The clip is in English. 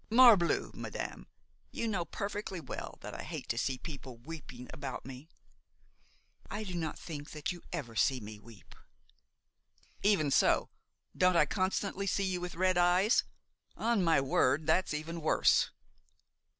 Morbleu! madame, you know perfectly well that I hate to see people weeping about me." "I do not think that you ever see me weep." "Even so! don't I constantly see you with red eyes? On my word, that's even worse!"